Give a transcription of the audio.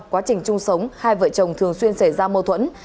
quá trình chung sống hai vợ chồng thường xuyên xảy ra mâu thuẫn